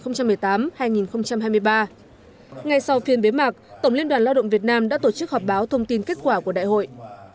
ngay sau phiên bế mạc tổng liên đoàn lao động việt nam đã tổ chức họp báo thông tin kết quả của đại hội